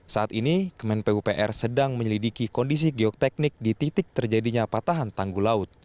saat ini kemen pupr sedang menyelidiki kondisi geoteknik di titik terjadinya patahan tanggul laut